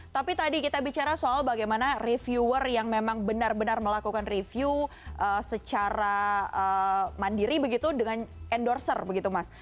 tapi tadi kita bicara soal bagaimana reviewer yang memang benar benar melakukan review secara mandiri begitu dengan endorser begitu mas